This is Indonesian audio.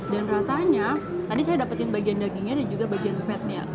dan rasanya tadi saya dapetin bagian dagingnya dan juga bagian fatnya